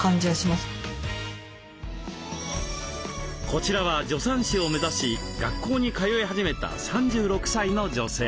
こちらは助産師を目指し学校に通い始めた３６歳の女性。